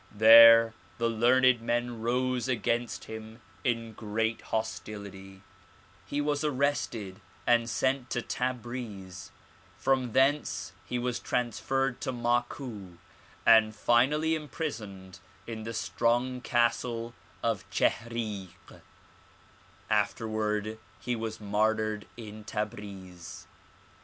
There the learned men rose against him in great hostility. He was 133 134 THE PROMULGATION OP UNIVERSAL PEACE arrested and sent to Tabriz. From thence he was transferred to Maku and finally imprisoned in the strong castle of Chihrik. After ward he was martyred in Tabriz.